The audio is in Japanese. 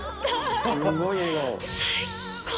最高！